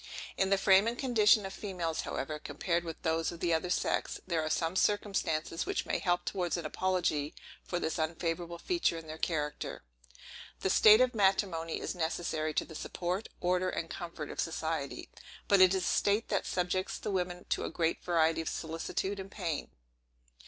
In the frame and condition of females, however, compared with those of the other sex, there are some circumstances which may help towards an apology for this unfavorable feature in their character. The state of matrimony is necessary to the support, order, and comfort of society. But it is a state that subjects the women to a great variety of solicitude and pain.